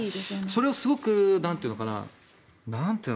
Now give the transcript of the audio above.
それはすごくなんというのかな。